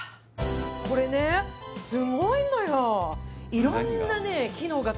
これねすごいのよ何が？